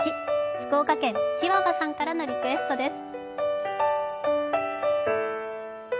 福岡県チワワさんからのリクエストです。